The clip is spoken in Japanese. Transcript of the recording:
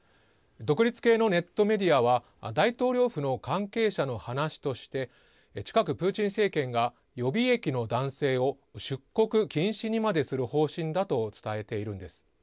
独立系のネットメディアは大統領府の関係者の話として近くプーチン政権が予備役の男性を出国禁止にまでする方針だと伝えているんです。